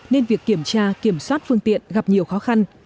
nên việc kiểm tra kiểm soát phương tiện gặp nhiều khó khăn